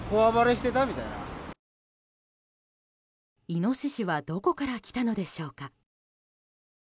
イノシシはどこから来たのでしょうか。